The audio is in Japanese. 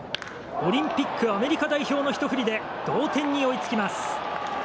オリンピックアメリカ代表のひと振りで同点に追いつきます。